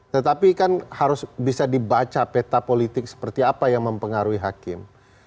tetapi kan harus bisa dibaca peta politik seperti apa yang mempengaruhi hakim